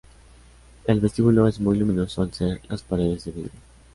El vestíbulo es muy luminoso al ser las paredes de vidrio.